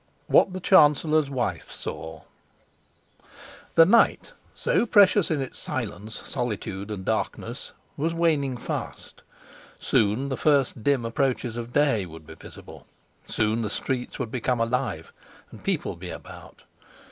WHAT THE CHANCELLOR'S WIFE SAW THE night, so precious in its silence, solitude, and darkness, was waning fast; soon the first dim approaches of day would be visible; soon the streets would become alive and people be about.